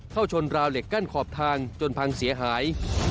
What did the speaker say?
เข้าชนราวเหล็กกั้นขอบทางจนพังเสียหาย